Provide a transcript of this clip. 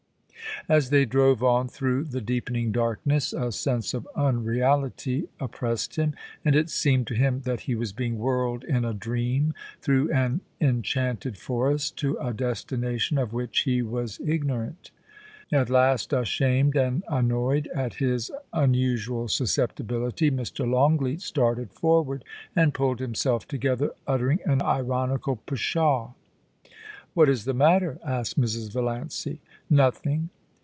As they drove on through the deepening darkness, a sense of unreality oppressed him, and it seemed to him that he was being whirled in a dream through an enchanted forest to a destination of which he was ignorant At last, ashamed and annoyed at his unusual susceptibility, Mr. longleat started forward and pulled himself together, utter ing an ironical * Pshaw '/* What is the matter ?* asked Mrs. Valiancy. 'Nothing.